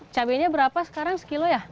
cabainya berapa sekarang sekilo ya